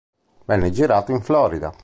Venne girato in Florida.